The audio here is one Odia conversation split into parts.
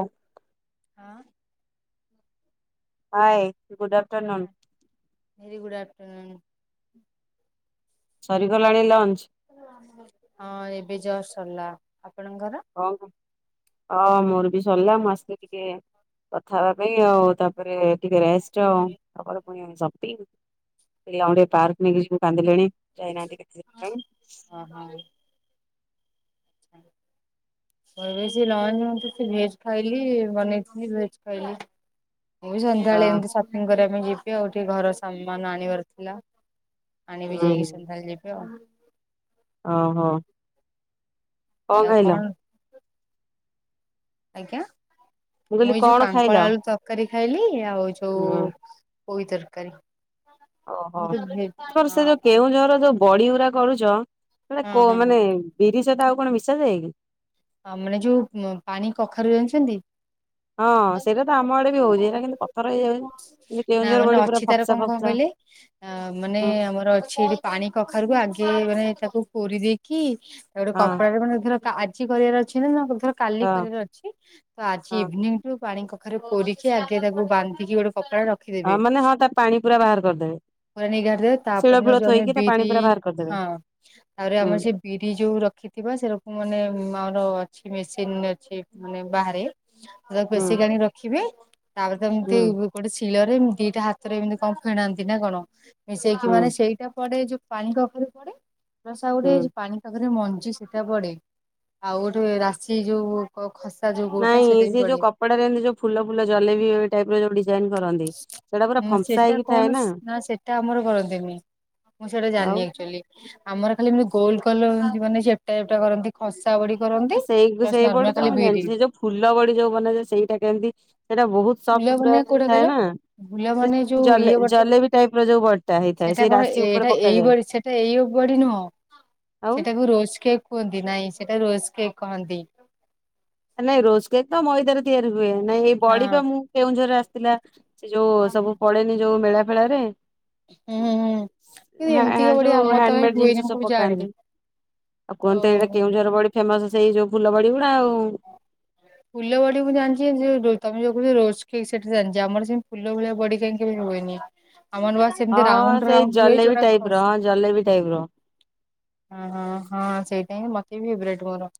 ହଁ। ଆଁ hi, good afternoon. Very good afternoon. ସରିଗଲାଣି ଲଞ୍ଚ? ହଁ ଏବେ ଜଷ୍ଟ ସରିଲା ଆପଣଙ୍କର? ହଁ [unintelligible] ହଁ, ମୋର ବି ସରିଲା, ମୁଁ ଆସିକି ଟିକେ କଥା ହେବା ପାଇଁ, ଆଉ ତାପରେ ଟିକେରେଷ୍ଟ। ଚ ସକାଳୁ ପୁଣି ସତି ପିଲାଙ୍କୁ ଟିକେ ପାର୍କ ନେଇକି ଯିବୁ, କାନ୍ଦିଲେଣି। ଯାଇ ନାହାନ୍ତି ଟିକେ ସକାଳୁ। ଓହୋ! [inaudible] କହିବ ଯଦି ରହ ଭେଜ ଖାଇଲି ବନେଇି ଭେଜ ଖାଇଲି। ମୁଁ ବି ସନ୍ଧ୍ୟାବେଳେ ହଁ ଏମତି ସପିଙ୍ଗ କରିବା ପାଇଁ ଯିବି, ଆଉ ଟିକେ ଘର ସାମାନ ଆଣିବାର ଥିଲା। ଆଣିବି ଯାଇକି ହୁଁ ସନ୍ଧ୍ୟାବେଳେ ଯିବି ଆଉ। ଓହୋ। ଏ ଆଉ କଣ? ଆଜ୍ଞା! କହିଲି ମୁଁ ଏଇ ଯୋଉ କଣ ଖାଇଲ? କାଙ୍କଳ ଆଳୁ ତରକାରୀ ଖାଇଲି, ଆଉ ଯୋଉ ହୁଁ। ପୋଇ ତରକାରୀ। ଓହୋ! ମୁଁ ତ ଭେ ତମର ସେ ଯୋଉ କେଉଁଝର ଯୋଉ ବଡିଗୁରା କରୁଚ ସେଟେ ହଁ କୋ ହଁ ମାନେ ବିରି ସହିତ ଆଉ କଣ ମିଶା ଯାଏ କି? ଆ ମାନେ ଯୋଉ ପାଣି କଖାରୁ ଯାଣିଛନ୍ତି? ହଁ ସେଇଟା ତ ଆମ ଆଡେ ବି ହଉଛି ଏଇଟା କିନ୍ତୁ ପଥର ହେଇଯାଉଛି କିନ୍ତୁ ନା କେଉଁଝର ବଡି ମାନେ ପୁରା ଅଛି ତାର ଫପସା କଣ କଣ ଫପସା କହିଲେ ଆ ମାନେ ହଁ ଆମର ଅଛି ଏଠି ପାଣି କଖାରୁକୁ ଆଗେ ମାନେ ତାକୁ କୋରି ଦେଇେଇକି ତା ଗୋଟେ ହଁ କପଡା ମାନେ ଧର ଆଜି ଆଜି କରିବାର ଅଛି ନା ଧର କାଲି ହଁ କରିବାର ଅଛି ତ ଆଜି ହଁ ଇଭିନିଂ ପାଣି କଖାରୁ କୋରିକି ଆଗ ତାକୁ ବାନ୍ଧିକି ଗୋଟେ କପଡା ରେ ର ହଁ ମାନେ ହଁ ତ ପାଣି ପୁରା ବାହାର କରିଦେବେ। ନିଗାଡ଼ ଦେବେତାପ ଶିଳ ଫିଳ ଦିନଯୋଉ ଆମେ ଥୋଇକି ତା ପାଣି ବିରି ପୁରା ବାହାର କରିଦେବେ ହଁ ତାପରେ ହୁଁ ଆମର ସେ ବିରି ଯୋଉ ରଖିଥିବା ସେରକୁ ମାନେ ଆମର ଅଛି ମେସିନ ଅଛି ମାନେ ବାହାରେ ତାକୁ ହୁଁ ବେଶିକ ଆଣିକି ରଖିବେ ତାପରେ ହୁଁ ଏମିତି ଗୋଟେ ଶଳରେ ଦିଟା ହାତରେ ଏମିତି କଣ ଫେଣାନ୍ତି ନା କଣ ମିଶେଇକି ହୁଁ ମାନେ ସେଇଟା ପଡେ ଯୋଉ ପାଣି କଖାରୁ ପଡେ ସଟ୍ଟା ହୁଁ। ଗୋଟେ ପାଣି କମାରୁ ମଞ୍ଜି ସେଟା ପଡେ। ଆଉ ଗୋଟେ ରାଶି ଯୋଉ ଖସା ଯୋଉ କୋଉଟା ନାଇଁ ସେଇଟା ବି ସେ ଯୋଉ ପଡେ। କପଡାରେ ଏମିତି ଯୋଉ ଫୁଲ, ଫଲ ଜଲେବି ଟାଇପ ରୋ ହ ସେଟା କଣ ନା ସେଟା ଆମର କରନ୍ତିନି। ମୁଁ ସେଇଟା ଆଉ ଜାଣିନି ଆଚୁଆଲି ଆମର ଖାଲି ଏମିତି ଗୋଲ କଲ ମାନେ ଚେପଟା ଚେପଟା କରନ୍ତି। ଖସା ବଡି କରନ୍ତି ସେଇ ପ୍ଲସ ସେଇ ବଡି ନର୍ମାଲ ତ ଖାଲି ମୁଁ ବିରି। ଜାଣିଛି ସେ ଯୋଉ ଫୁଲ ବଡି ଯୋଉ ବନାଯାଏନା ସେଇଟା କେମିତି ସେଇଟା ବହୁତ ଫୁଲ ମାନେ ସଫ୍ଟ କୋଉଟା ଥାଏ କହିଲ ନା। ଫୁଲ ମାନେ ଯୋଉ ଜଲେ ଇଏ ବଟା ଜଲେବି ଟାଇପ ର ଯୋଉ ବଡିଟା ହେଇଥାଏ ସେଟା ସେଇ କଣ ରାଶି ଉପରେ ଏଇଟା ଏଇ ପକାଯାଏ ବଡି ସେଟା ଏଇଅ ବଢି ନୁହଁ ଆଉ ସେଟାକୁ ରୋଜକେ କୁହନ୍ତି ନାଇଁ ସେଟା ରୋଜ କେକ୍ କୁହନ୍ତି। ନାଇଁ ରୋଜ୍‌କେ ତ ମଇଦାରେ ତିଆରି ହୁଏ ନାଇଁ ଏଇ ବଡି ହଁ। ବା ମୁଁ କେଉଁ ଜୋରରେ ଆସିଥିଲା। ଯୋଉ ସବୁ ପଡେନି ଯୋଉ ମେଳା ଫେଳାରେ ହୁଁ ହୁଁ। କିନ୍ତୁ ଏମିତିକା ବଡି ଯୋଉ ଆମର ତ କାଇଁ ହ୍ୟାଣ୍ଡମେଡ ହୁଏନି ଜିନିଷ ମୁଁ ସବୁ କେବେ ଜାଣିନି। ପକାନ୍ତି ଆଉ ଓ କୁହନ୍ତି ଏଇଟା କେଉଁଝର ବଡି ଫେମସ ସେଇ ଯୋଉ ଫୁଲ ବଡି ଗୁଡା ଆଉ। ଫୁଲ ବଡି ମୁ ଜାଣିଛି ତମେ ଯୋ କହୁ ରୋଜକ୍ ସେଠା ଜାଣିଛି ଆମର ସେମି ଫୁଲ ଭଳିଆ ବଡି କାାଇଁ କେ ହୁଏନି। ଆମର ବା ସେମିତି ହଁ ରାଉଣ୍ଡ ସେଇ ରାଉଣ୍ଡ ହୁ ଜଲେବି ଯୋଉଟା ଟାଇପ ର ହଁ ଖସେ ଜଲେବି ଟାଇପ ର ହ ହଁ ହଁ ସେଇଟା ହିଁ ମତେ ବି ଫେବାଇଟ୍ ମୋର।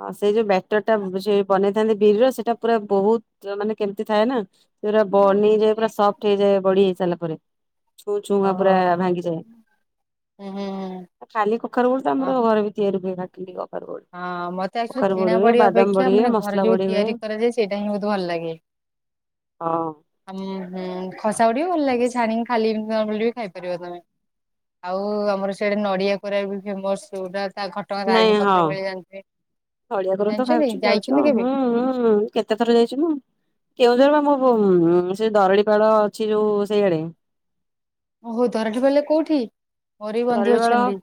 ହଁ ସେଇ ଯୋଉ ବେଟର ଟା ସେ ବନେଇଥାନ୍ତି ବିରି ର ସେଇଟା ପୁରା ବହୁତ ମାନେ କେମିତି ଥାଏ ନା ସେ ପୁରା ବନେଇଯାଏ ପୁରା ସଫ୍ଟ ହେଇଯାଏ ବଢି ହେଇ ସାରିଲା ପରେ ଛୁଁ ଛୁଁ ଓହୋ ପୁରା ଭାଙ୍ଗିଯାଏ। ହୁଁ ହୁଁ ହୁଁ। ଖାଲି କଖରୁ ବୋଡ ତ ହଁ ଆମର ଘରେ ବି ତିଆରିହୁଏ ନା କଖର ବଠ। ହଁ ମତେ ଆକ୍ଚୁଲି କିଣା ବଡି ଅପେକ୍ଷା ହୁଏ ମାନେ ଘରେ ମସଲା ଯୋଉ ବଡି ହୁଏ ତିଆରି କରାଯାଏ ସେଇଟା ହିଁ ବହୁତ ଭଲ ଲାଗେ। ହଁ। ଉଁ ହୁଁ ଖସା ବଡିବି ଭଲ ଲାଗେ ଛାଣିକି ଖାଲି [inaudible] ପଡିଲେ ଖାଇପାରିବ ତମେ। ଆଉ ଆମର ସିଆଡେ ନଡିଆ କୋରା ବି ଫେମସ ଜଉଟା ତା ଘଟଗାଁ ତାରିଣୀ ପାଖରେ ମିଳେ ଜାଣିଥିବେ। ନଡ଼ିଆ କୋରାତ ଜାଣିଛନ୍ତି ଖାଇଚି ଯାଉଛ ଯାଇଛନ୍ତି କେବେ? ହୁଁ ହୁଁ। କେତେ ଥର ଯାଇଚିମୁଁ କେଉଁ ଝର ବା ମୋ ସେ ଦରଡିପାଳ ଅଛି ଯୋଉ ସେଇଆଡେ ଓହୋ ଦରଡ଼ି ପାଳରେ କୋଉଠି ମୋର ବି ବନ୍ଧୁ ଦରଡିପାଳ ଅଛନ୍ତି।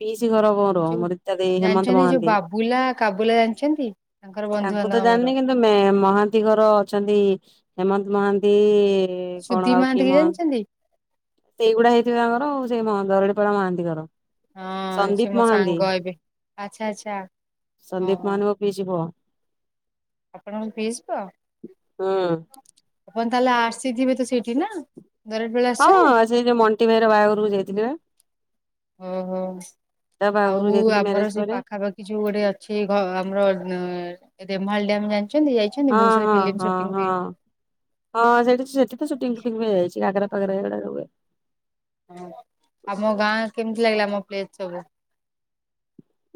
ପିଇସି ଘର ମୋର ଯୋଉ ମୋର ରୀତା ଦେଇ ହେମନ୍ତ ଜାଣିଛନ୍ତି ଯୋଉ ମହାନ୍ତି ବାବୁଲା କାବୁଲା ଜାଣିଛନ୍ତି? ତାଙ୍କର ତାଙ୍କୁ ତ ବନ୍ଧୁବାନ୍ଧବ ଜାଣିନି ଆମର। କିନ୍ତୁ ମହାନ୍ତି ଘର ଅଛନ୍ତି ହେମନ୍ତ ମହାନ୍ତି ସୁଧି କଣ ଆଉ ମହାନ୍ତି କି ମ ଜାଣିଛନ୍ତି ସେଇଗୁଡା ହେଇଥିବ ତାଙ୍କର ଆଉ ସେଇ ଦରଡିପାଳ ମହାନ୍ତିଘର। ହଁ ସେ ମୋ ସାଙ୍ଗ ଏବେ ଆଚ୍ଛା ଆଛା ସନ୍ଦୀପ ଓହ। ମହାନ୍ତି ମୋ ପିଇସି ପୁଅ। ଆପଣଙ୍କ ପିଇସି ପୁଅ ହୁଁ ଆପଣ ତାହେଲେ ଆସିଥିବେ ତ ସେଇଠି ନା? ଦରଟି ପାଲ ଆସିଛନ୍ତି ହଁଁ ସେଇ ଯ ଉ ମଣ୍ଟି ଭାଇର ବାହାଘରକୁ ଯାଇଥିଲି ବା। ଓହୋ ତା ବାହାଘରକୁ ଆଉ ଯାଇଥିଲି ଆମର ମ୍ୟାରେଜ ସେ ପରେ ପାଖାପାଖି କି ଯୋଉ ଗୋଟେ ଅଛି ଘ ଆମର ରେମାଳ ଡ୍ୟାମ ଜାଣିଛନ୍ତି ଯାଇ ହଁ ହଁ ହଁ ହଁ ହଁ ସେଠି ସେଠି ତ ସୁଟିଂ ଫୁଟିଂ ହୁଏ ଯାଇଛି ଘାଗରା ପଗରେ ଏ ରେ [inaudible] ହଁ ଆଉ ମୋ ଗାଁ କେମିତି ଲାଗିଲା ଆମ ପ୍ଲେସ ସବୁ?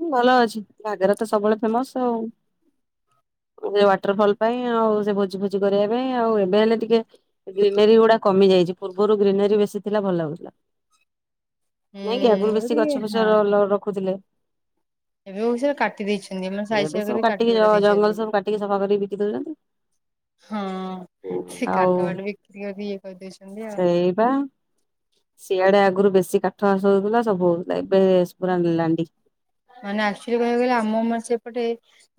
ହୁଁ ଭଲ ଅଛି ଘାଗରା ତ ସବୁବେଳେ ଫେମସ ଆଉ। ସେ ୱାଟର ଫଲ୍ ପାଇଁ ଆଉ ସେ ଭୋଜି ଫୋଜି କରିବା ପାଇଁ ଆଉ ଏବେ ହେଲେ ଟିକେ ଗ୍ରୀିନେରୀ ଗୁଡା କମି ଯାଇଛି ପୂର୍ବରୁ ଗ୍ରୀିନେରୀ ବେଶୀ ଥିଲା ଭଲ ଲାଗୁଥିଲା। ହୁଁ ନାଇଁ କିି ଆଗରୁ ବେଶୀ ଏମିତି ଗଛ ଫଛ ହଁ। ରଖୁଥିଲେ। ଏବେକୁ ସେରା କାଟି ଦେଇଛନ୍ତି ମ ସାଇଜ ଏବେ ସୁଜା ସବୁ କରି କାଟିକି କାଟି ଜ କୁଟା ଜଙ୍ଗଲ ଦେଇଛନ୍ତି। ସବୁ କାଟିକି ସଫା କରିକି ବିକି ଦଉଛନ୍ତି ହଁ ସେ କାଠ ଫାଟ ବିକ୍ରି କରିିକି ଇଏ କରିଦେଇଉଛନ୍ତି ଆଉ। ହେଇପା। ସିଆଡେ ଆଗରୁ ବେଶୀ କାଠାବାସ ହଉଥିଲା ସବୁ ହଉଥିଲା ଏବେ ପୁରା ନିଲାଣ୍ଡି। ମାନେ ଆକ୍ଚୁଆଲି କହିବାକୁ ଗଲେ ଆମ ମାନେ ସେପଟେ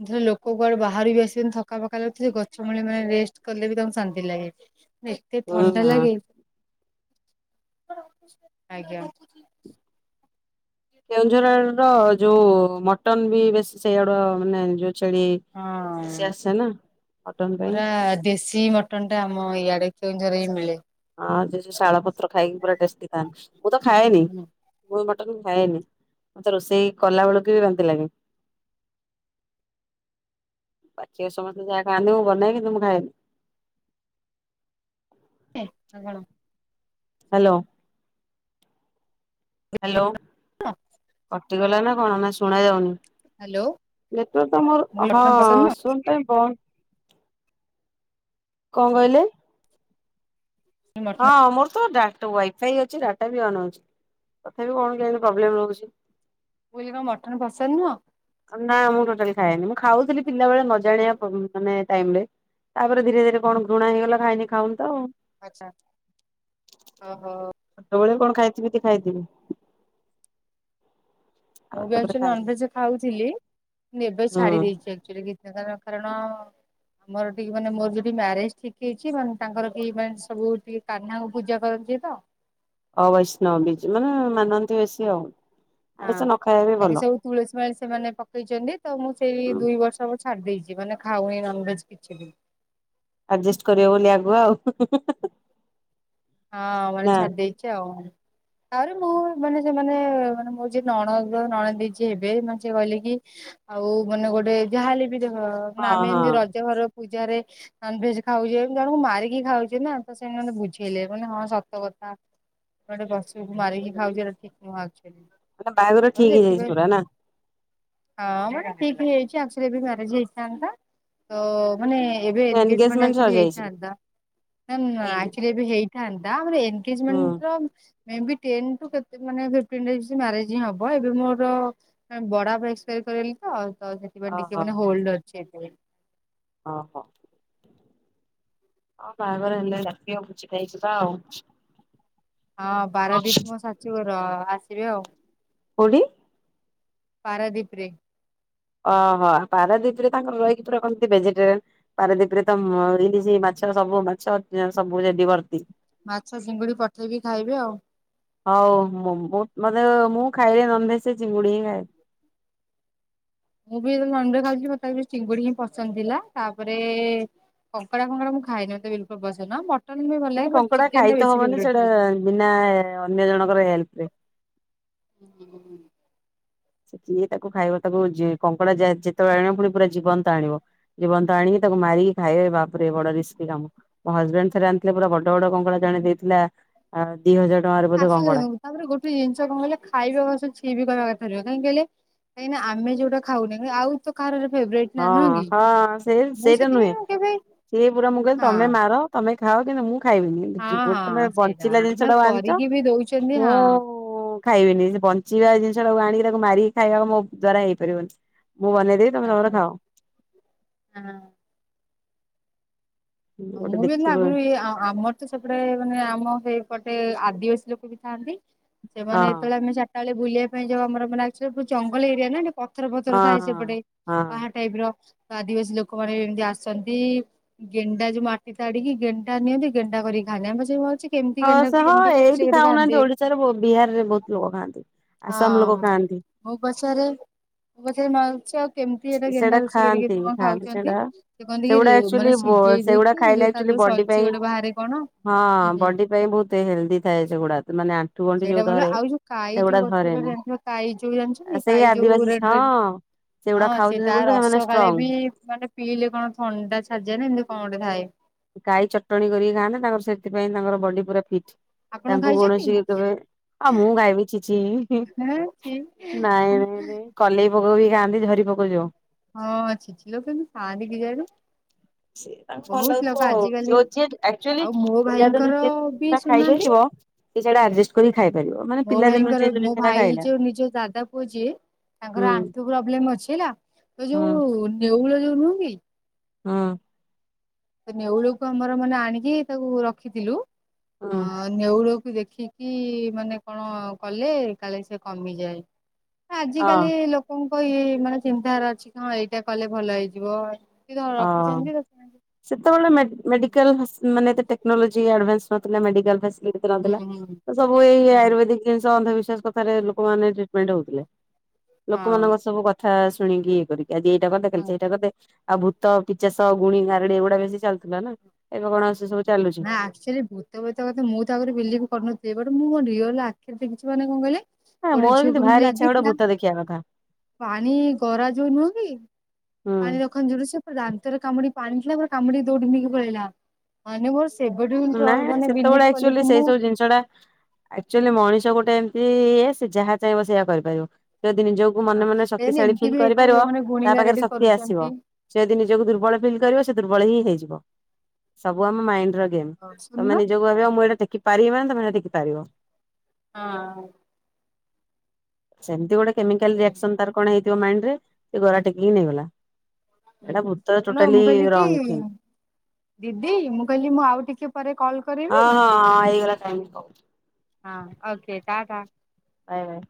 ଧର ଲୋକ କୁଆଡେ ବାହାରୁ ବି ଆସିଛନ୍ତି ଥକା ଫକା ଲାଗୁଥିଲେ ଗଛ ମୂଳେ ମାନେ ରେଷ୍ଟ କଲେ ବି ତାଙ୍କୁ ଶାନ୍ତି ଲାଗେ। ମାନେ ଏତେ ହୁଁ ଥଣ୍ଡା ହଁ ଲାଗେ ଆଜ୍ଞା। କେଉଁଝର ଆଡ଼ର ଜଉ ମଟନ ବି ବେଶୀ ସେଇଆଡ ମାନେ ଯୋଉ ଛେଳି ସେ ହଁ। ଆସେ ନା ମଟନ ପାଇଁ। ପୁରା ଦେଶୀ ମଟନ୍ ଟା ଆମ ଇଆଡେ କେଉଁଝର ହିଁ ମିଳେ। ହଁ ଯ ଯୋଉ ଶାଳ ପତ୍ର ଖାଇକି ପୁରା ଟେଷ୍ଟି ଥାନ୍ତି ମୁଁ ତ ଖାଏନି। ମୁଁ ଏ ମଟନ ଖାଏନି ମତେ ରୋଷେଇ କଲା ବେଳକୁ ବି ବାନ୍ତି ଲାଗେ। ବାକି ଆଉ ସମସ୍ତେ ଯାହାଖାଆନ୍ତି ମୁଁ ବନାଏ କିନ୍ତୁ ମୁଁ ଖାଏନି। ଆ କଣ। ହ୍ୟାଲୋ। ହ୍ୟାଲୋ କଟିଗଲା ନା କଣ ନା ଶୁଣା ଯାଉନି? ହ୍ୟାଲୋ ନେଟୱାର୍କ ତ ମୁଁ ମୋର କହିଲି ମଟନ ପସନ୍ଦ ହଁ ଶୁ [inaudible] କଣ କହିଲେ? ନୁହଁ ମଟନ ହଁ ମୋର ତ ଡାଟ ୱାଇଫାଇ ଅଛି ଡାଟା ବି ଅନ୍ ଅଛି ତଥାପି କଣ କେମତି ପ୍ରୋବ୍ଲେମ ରହୁଛି? ବୁଇଲି କଣ ମଟନ ପସନ୍ଦ ନୁହଁ? ନା ମୁଁ ଟୋଟାଲି ଖାଏନି ମୁଁ ଖାଉଥିଲି ପିଲାବେଳେ ନ ଜାଣିବା ପ ପ ମାନେ ଟାଇମ୍ରେ ତାପରେ ଧୀରେ ଧୀରେ କଣ ଘୃଣା ହେଇଗଲା ଖାଇନି ଖାଉନ ତ ଆଉ। ଆଛା, ଓ ହୋ। ସବବେଳେ କଣ ଖାଇଥିବି କି ଖାଇଥିବି। ମୁଁ ଆଉ ବି ତାପରେ ଆକ୍ଚୂଆଲି ଖାଇନି ନନଭେଜ ଖାଉଥିଲି ଏବେ ହୁଁ ଛାଡି ଦେଇଛି ଆକ୍ଚୁଲି କାରଣ ଆମର ଟିକେ ମାନେ ମୋର ଯଦି ମ୍ୟାରେଜ ଠିକ ହେଇଛି ମାନେ ତାଙ୍କର କି ମାନେ ସବୁ ଟିକେ କାହ୍ନା କୁ ପୂଜା କରନ୍ତି ତ। ଅ ବୈଷ୍ଣବ ବିଜ ମାନେ ମାନନ୍ତି ବେଶୀ ଆଉ। ହଁ ଆଇଁଷ ନ ଖାଇବା ବି କାହିଁକି ଭଲ ସବୁ ତୁଳସୀ ମାଳି ସେମାନେ ପକେଇଛନ୍ତି ତ ମୁଁ ସେଇ ହୁଁ ଦୁଇ ବର୍ଷ ସବୁ ଛାଡି ଦେଇଛି ମାନେ ଖାଉନେଇ ନନଭେଜ କିଛି ବି। ଆଡ଼ଜଷ୍ଟ କରିବ ବୋଲି ଆଗୁଆ ଆଉ। [unintelligible] ହଁ ମାନେ ନା ଛାଡି ଦେଇଚି ଆଉ। ଆଉରେ ମୁଁ ମାନେ ସେମାନେ ମାନେ ମୋ ଯିଏ ନଣଦ ନଣଦେଇ ଯିଏ ହେବେ, ମାନେ ସେ କହିଲେ କି ଆଉ ମାନେ ଗୋଟେ ଯାହାହେଲେ ବି ଦେଖ ହଁ ଆମେ ହଁ ଏମିତି ରଜ ଘର ପୂଜାରେ ନନଭେଜ ଖାଉଛେ ଜଣଙ୍କୁ ମାରିକି ଖାଉଚେ ନା ତ ସେ ମାନେ ବୁଝ ଇଲେ ମାନେ ହଁ ସତ କଥା ଗୋଟେ ପଶୁକୁ ମାରିକି ଖାଉଚେ ଏଇଟା ଠିକ ନୁହ ଆକଚୁଆଲି। ମାନେ ବାହାଘର ଠିକ ହେଇଯାଇଛି ପୁରା ନା। ହଁ ମାନ ଠିକ ହେଇଯାଇଛି ଆକ୍ଚୁଲି ବି ମ୍ୟାରେଜ ହେଇ ଥାନ୍ତା ତ ମାନେ ଏବେ ଏନଙ୍ଗେଜ୍ ମେଣ୍ଟ ଏନଗେଜମେଣ୍ଟ ଆକ୍ଚୁଲି ସରିଯାଇଛି ହେଇଥାନ୍ତା, ଦେନ୍ ଆ ହେଇନି ବି ହେଇଥାନ୍ତା ଆମ ହୁଁ ଏନଗେଜମେଣ୍ଟ ର ମେ ବି ଟେନ ଠୁ ଫିଫ୍ଟିନ ଡେଜ୍ ମ୍ୟାରେଜ୍ ହିଁ ହବ, ଏବେ ମୋର ବଡାପା ଏକ୍ସପାରି କରି ଗଲେ ତ ସେଥିପାଇଁ ଓହୋ ଟିକେ ମାନେ ହୋଲଡ ଅଛି, ଏଇଥିପାଇଁ। ଓ ହୋ। ହଁ ବାହାଘର ହେଲେ ଡାକିବ ଭୋଜି ଖାଇ ଯିବା ଆଉ। ହଁ ବାରାଦିପ ମୋ ଶାଶୁ ଘର ଆସିବେ ଆଉ। କୋଉଠି? ପାରାଦ୍ଵିପରେ। ଓହୋ ପାରାଦ୍ୱୀପୀରେ ତାଙ୍କର ରହିକି ପୁରା କେମିତି ଭେଜିଟେରିଆନ୍। ପାରଦ୍ୱୀପରେ ତ ଇଲିଶି ମାଛ ସବୁ ମାଛ ସବୁ ସେଠି ଭର୍ତ୍ତି। ମାଛ ଚିଙ୍ଗୁଡ଼ି ପଠେଇବି ଖାଇବେ ଆଉ। ହଉ, ମୁଁ ମୋତେ ମୁଁ ଖାଇଲେ ନନ୍ଭେଜ ସେ ଚିଙ୍ଗୁଡ଼ି ହିଁ ଖାଏ। ମୁଁ ବି ଲଣ୍ଡୁରେ ଖାଉଥିଲି ମତ ତା ଚିଙ୍ଗୁଡି ହିଁ ପସନ୍ଦ ଥିଲା ତାପରେ କଙ୍କଡା ଫଙ୍କଡା ମୁଁ ଖାଏନି ମତେ ବିଲକୁଲ ପସନ୍ଦ ନୁହ, ମଟନ୍ ବି ଭଲ ନାଇଁ ଲାଗେ ବଟ କଙ୍କଡା ଖାଇ ଚିକେନ୍ ଟା ତ ବେଶି ହବନି ସେଇଟା ଫେବ୍ରାଇଟ। ବିନା ଅନ୍ୟ ଜଣଙ୍କର ହେଲ୍ପ ରେ। [unintelligible] ସେ କିଏ ତାକୁ ଖାଇବ ତାକୁ କଙ୍କଡ଼ା ଯେତେବେଳେ ଆଣିବ ପୁଣି ପୁରା ଜୀବନ୍ତ ଆଣିବ। ଜୀବନ୍ତ ଆଣିକି ତାକୁ ମାରିକି ଖାଇବେ ବାପରେ ବଡ ରିସ୍କି କାମ। ମୋ ହଜବେଣ୍ଡ ଥରେ ଆଣିଥିଲେ ପୁରା ବଡ ବଡ କଙ୍କଡା ଜଣେ ଦେଇଥିଲା ଦି ହଜାର ଟଙ୍କାରେ ବୋଧେ ଆସୁ କଙ୍କଡା। ତାପରେ ଗୋଟେ ଜିନିଷ କଣ କହଲେ ଖାଇବା [unintelligible] ଛି ବି କହିବା କଥା ନୁହେଁ କହିଁକି କିହିଲେ? କାଇଁକିନା ଆମେ ଯଉଟା ଖାଉନେ ଆଉ ତ କାହାର ଗୋଟେ ଫେବ୍ରାଇଟ। ହଁ ହଁ ସେ ସେଇଟା ନୁହେଁ ମୁଁ କେବେ ସିଏ ପୁରା ମୁଁ କହିଲି ହଁ ତମେ ମାର ତମେ ଖାଅ କିନ୍ତୁ ମୁଁ ଖାଇବିନି କିନ୍ତ ଯ ହଁ ଗୋଟେ ତମେ ହଁ ସେଇଟା ବଞ୍ଚିଲା ଜିନିଷ ଯାହା ଟାକୁ ଆଣିଛ କରିକି ବି ଦଉଛନ୍ତି ମୁଁ ହଁ ମୁଁ ଖାଇବିନି ସେ ବଞ୍ଚିବା ଜିନିଷ ଟାକୁ ଆଣିକି ତାକୁ ମାରିକି ଖାଇବାକୁ ମୋ ଦ୍ଵାରା ହେଇପାରିବନି। ମୁଁ ବନେଇ ଦେବି। ଆଛା ଆଚ୍ଛା, ହଁ। ଆ ଗୋଟେ ମୁଁ ବି ଦେଖିବ ଲାଗୁ ଇ ଆ ଆମ ସେପଟେ ମାନେ ଆମ ହେଇପଟେ ଆଦିବାସୀ ଲୋକ ବି ଥାନ୍ତି ସେମାନେ ହଁ ଏତଳେ ଆମେ ଚା ତାଳେ ବୁଲିବା ପାଇଁ ଯାଉ ଆମର ମାନେ ଆକ୍ଚୁଲି ବୋହୁତ୍ ଜଙ୍ଗଲ ଏରିଆ ନା ଡେ ପ ଥର ପଥର ହଁ ଥାଏ ହଁ। ସେପଟେ ହଁ ପାହା ଟାଇପ୍ ର। ତ ଆଦିବାସୀ ଲୋକମାନେ ବି ଏମିତି ଆସନ୍ତି। ଗେଁ ଡା ଯୋଉ ମାଟି ତାଡି଼କି ଗେଣ୍ଡା ନିଅନ୍ତି ଗେଣ୍ଡା କରି ଖାଆନ୍ତି ଆମ ସେଇ ମୁଁ ଭାଉଚି କେମିତି ହଁ ଗେଣ୍ଡାକୁ ସେ ହଁ କେମିତି ରୋଷେଇ ଏଇଠି ଖାଉନାହାନ୍ତି ଓଡ଼ିଶାରେ ବହୁ ବିହାରରେ ବହୁତ ଲୋକ ଖାଆନ୍ତି ଆସାମ ଲୋକ ହଁ। ଖାଆନ୍ତି। ମୁଁ ପଚାରେ ମୁଁ ପଚାରେ ମାଉସୀ ଆଉ କେମତି ହେଟା ସେଟା ଗେଣ୍ଡା ରୋଷେଇ କରିକି ଖାଆନ୍ତି କଁ ଖାଆନ୍ତି ଖାଉଚନ୍ତି ସେଟା ସେ କହନ୍ତି କି ସେଗୁଡା ରେ ଆକ୍ଚୁଆଲି ମାନେ ସି ସେଗୁଡା ଦେଇକି ଖାଇଲେ ଯୋଉ ତାର ଆକ୍ଚୁଆଲି ଯୋଉ ବଡି ସରଚି ଗୋଟେ ବାହାରେ କଣ ଇପାଇଁ ବହୁତ ହେଲଦି ସେ ଗୁଡ଼ା ତୁ ମାନେ ଆ ସେଇଟା ଭଲ ଆଉ ଯୋଉ କାଈ ଯୋଉ ଗଛରେ ଚଢ଼େ ଜାଣିଥିବ କାଈ ଯୋଉ ଜାଣିଛନ୍ତି ସେଇ କାଈ ଯୋଉ ଆଦିବାସୀ ରେଡ଼୍ ହଁ ରେଡ଼୍? ସେଗୁଡା ହଁ ସେ ଖାଉଛନ୍ତି ତା ବୋଲି ତ ସେମାନେ ରସ କାଳେ ଷ୍ଟ୍ରଙ୍ଗ ବି ମାନେ ପିଇଲେ କଣ ଥଣ୍ଡା ଛାଡ଼ି ଯାଏନା ଏମିତି କଣ ଗୋଟେ ଥାଏ। କାଈ ଚଟଣୀ କରିକି ଖାଆନା ତାଙ୍କର ସେଥିପାଇଁ ତାଙ୍କର ବଡ଼ି ପୁରା ଫିଟ୍ ଆପଣ ତାଙ୍କୁ ଖାଇଛନ୍ତି? କୌଣସି କେବେ ଆ ମୁଁ ଖାଇବି ଛି ଛି ହଁ ଛି ନାଇଁ ନାଇଁ ନାଇଁ। କଲେଇ ପୋକ ବି ଖାଆନ୍ତି ଝରି ପୋକ ଯଉ। ହଁ ଛି ଛି ଲୋ କେମିତି ଖାଆନ୍ତି କେଜାଣି? ସେ ତାଙ୍କୁ ଭଲ ବହୁତ ଲାଗୁଥିବ ଲୋକ ଆଉ ଆଜିକାଲି ଯୋଉ ଯିଏ ଆକ୍ଚୁଆଲି ଆଉ ମୋ ପିଲାଦିନୁ ଭାଇଙ୍କର ଯିଏ ଯୋଉ ବି ଜିନିଷ ଟା ସୁୁନାହାନ୍ତି ଖାଇଯାଇଥିବ ସେ ସେଇଟା ଆଡଜଷ୍ଟ କରିକି ଖାଇପାରିବ ମାନେ ମୋ ପିଲାଦିନରୁ ଭାଇଙ୍କର ଯିଏ ଯୋଉ ମୋ ଜିନିଷଟା ଭାଇ ଖାଇଲା ଯୋଉ ନିଜ ଦାଦା ପୁଅ ଯିଏ ହୁଁ ତାଙ୍କର ଆଣ୍ଠୁ ପ୍ରବ୍ଲେମ୍ ଅଛି ହେଲା ତ ହୁଁ ଯୋଉ ନେଉଳ ଯୋଉ ନୁହଁ କି? ହଁ। ତ ନେଉଳକୁ ଆମର ମାନେ ଆଣିକି ତାକୁ ରଖିଥିଲୁ ହୁଁ ଅଁ ନେଉଳକୁ ଦେଖିକି ମାନେ କଣ କଲେ କାଳେ ସେ କମିଯାଏ। ଏ ହଁ ଆଜିକାଲି ଲୋକଙ୍କ ଇଏ ମାନେ ଚିନ୍ତା ଧାରା ଅଛି କି ହଁ ଏଇଟା କଲେ ଭଲ ହେଇଯିବ। ର ର ରଖିଚନ୍ତି ଦଶ ମିଣ୍ଟି ସେତବେଳେ ମେ ମେଡିକାଲ ହାସ୍ ମାନେ ଏତେ ଟେକ୍ନୋଲୋଜି ଆଡଭାନ୍ସ ନଥିଲା ମେଡିକାଲ୍ ଫାସ୍ ବି ଏତେ ହୁଁ ନଥିଲା। ହୁଁ ତ ସବୁ ଏଇ ହୁଁ ଆୟୁର୍ବେଦିକ ଜିନିଷ ଅନ୍ଧବିଶ୍ୱାସ କଥାରେ ଲୋକମାନେ ଟ୍ରିଟମେଣ୍ଟ ହଉଥୁଲେ। ଲୋକମାନଙ୍କ ହଁ ସବୁ କଥା ଶୁଣିକି ଇଏ କରିକି। ଆଜି ଏଇଟା କରିଦେ କାଲି ହଁ ସେଇଟା କରିଦେ। ଆଉ ଭୂତ ପିଚାସ ଗୁଣି ଗାରେଡି଼ ଏଗୁଡ଼ା ବେଶୀ ଚାଲୁଥୁଲା ନା ଏବେ କଣ ଆଉ ସେ ସବୁ ଚାଲୁଚି? ନାଁ ଆକ୍ଚୁଆ ଭୂତ ବେତ କଥା ମୁଁ ତ ଆଗୁରୁ ବିଲିଭ କରୁନଥିଲି। ବଟ୍ ମୁଁ ମୋ ରିଅଲ୍ ଆଖିରେ ଦେଖିଚି। ମାନେ କଁ କହିଲେ ଗୋଟେ ମୋର କିନ୍ତୁ ଝିଅକୁ ଏମିତି ଭାରି ଇଚ୍ଛା ଗୋଟେ ଲାଗିଥିଲା। ଭୂତ ଦେଖିବା କଥା ପାଣି ଗରା ଯୋଉ ନୁହେଁ କି? ହୁଁ। ପାଣି ରଖନ୍ତି ଯୋଉଟା ସେ ପୁରା ଦାନ୍ତରେ କାମୁଡ଼ି ପାଣି ଥିଲା ପୁରା କାମୁଡ଼ି ଦୌଡି଼ ନେଇକି ପଳେଇଲା। ମାନେ ମୋର ସେବେଠୁ ଟ୍ରଷ୍ଟ ନାଇଁ ମାନେ ବିଲିଭ୍ ସେତବେଳେ କଲି ଆକ୍ଚୁଆଲି କି ସେଇ ମୁଁ ଯୋଉ ଜିନିଷଟା ଆକ୍ଚୁଆଲି ମଣିଷ ଗୋଟେ ଏମତି ଇଏ ସେ ଯାହା ଚାହିଁବ ସେଇଆ କରିପାରିବ। ଯଦି ନିଜଉ କୁ ମନେ ମନେ ଦେନ୍ ଶକ୍ତିଶାଳୀ ଏମିତି ଫିଲ୍ ବି ହେଇଥାଏ କରିପାରିବ ଯୋଉମାନେ ତା ପାଖରେ ଗୁଣିଗାରେଡି ଶକ୍ତି ଆସିବ। କରୁଛନ୍ତି ସେ ଯଦି ନିଜକୁ ଦୁର୍ବଳ ଫିଲ୍ କରିବ। ସେ ଦୁର୍ବଳ ହିଁ ହେଇଯିବ। ସବୁ ଆମ ମାଇଣ୍ଡ ର ଗେମ୍ ଶୁଣୁନ ତମେ ନିଜକୁ ଭାବିବ ମୁଁ ଏଟା ଟେକି ପାରିବି। ମାନେ ତମେ ହଟା ଟେକିପାରିବ। ହଁ। ସେମିତି ଗୋଟେ କେମିକାଲ୍ ରିଆକ୍ସନ୍ ତାର କଣ ହେଇ ଥିବ ମାଇଣ୍ଡ୍ ରେ ଏ ଗରା ଟେକିକି ନେଇଗଲା। ହଁ ଏଟା ଭୂତ ଶୁଣ ମୁଁ ଟୋଟାଲି କହିଲି କି ରଙ୍ଗ ଥିଙ୍ଗ୍। ଦିଦି ମୁଁ କହିଲି ମୁଁ ଆଉ ଟିକେ ପରେ କଲ୍- ହଁ କରିବି। ହଁଁ ହଁ ହେଇଗଲା ଟାଇମ୍ କଉ। ହଁ ଓକେ ଟାଟା ବାଏ ବାଏ।